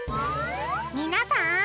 みなさん！